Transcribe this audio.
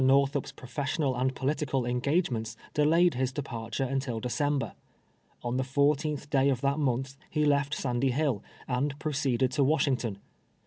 Xorthup's professional and ])()litical engagements delayed his departure un til DecendK'r, On the fourteenth day of that niontli he left Sandy Hill, and proceeded to AVashington.